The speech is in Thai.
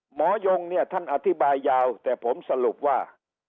ยงเนี่ยท่านอธิบายยาวแต่ผมสรุปว่า